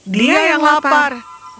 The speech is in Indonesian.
dia yang lapar